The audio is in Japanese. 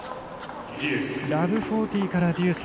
０−４０からデュース。